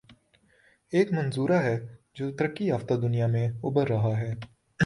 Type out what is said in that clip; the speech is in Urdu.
ایک منظروہ ہے جو ترقی یافتہ دنیا میں ابھر رہا ہے۔